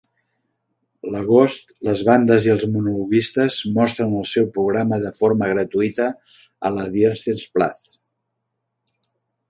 L'agost, les bandes i els monologuistes mostren el seu programa de forma gratuïta a la Dreiecksplatz.